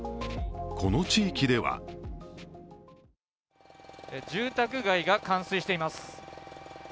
この地域では住宅街が冠水しています。